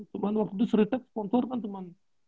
cuman waktu itu seri tep kontor kan cuman